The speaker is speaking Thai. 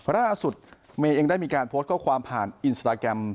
ล่าสุดเมย์เองได้มีการโพสต์ข้อความผ่านอินสตาแกรม